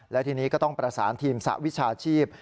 และทีนี้ก็ต้องประสานทีมสหวิชาชีพ